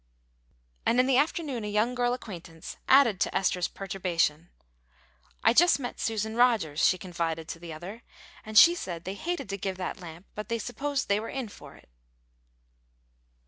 And in the afternoon a young girl acquaintance added to Esther's perturbation. "I just met Susan Rogers," she confided to the other, "and she said they hated to give that lamp, but they supposed they were in for it."